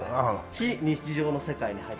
非日常の世界に入る。